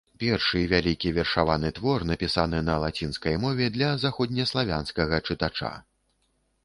Першы вялікі вершаваны твор, напісаны на лацінскай мове для заходнеславянскага чытача.